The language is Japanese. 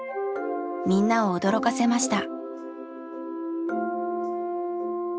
みんなを驚かせました。